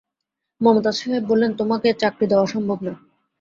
মমতাজ সাহেব বললেন, তোমাকে চাকরি দেওয়া সম্ভব না।